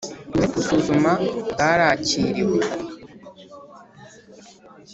Nyuma yo kubusuzuma bwarakiriwe